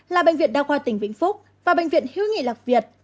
là bệnh viện đa khoa tỉnh vĩnh phúc và bệnh viện hiếu nghị lạc việt